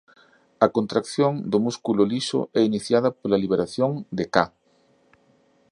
A contracción do músculo liso é iniciada pola liberación de Ca.